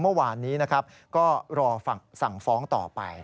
เมื่อวานนี้นะครับก็รอสั่งฟ้องต่อไป